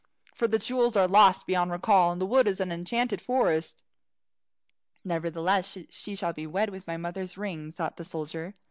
For the jewels are lost beyond recall, and the wood is an enchanted forest." "Nevertheless she shall be wed with my mother's ring," thought the soldier.